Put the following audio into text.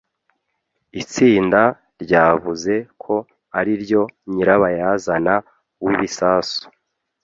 Itsinda ryavuze ko ariryo nyirabayazana w’ibisasu.